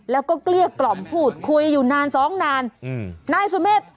แล้วก็เกลี้ยกล่อมพูดคุยอยู่นานสองนานอืมนายสุเมฆ